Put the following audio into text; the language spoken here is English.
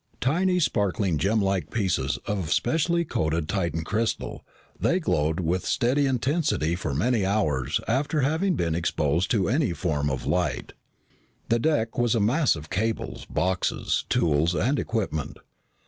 Tiny, sparkling gemlike pieces of specially coated Titan crystal, they glowed with steady intensity for many hours after having been exposed to any form of light. The deck was a mass of cables, boxes, tools, and equipment.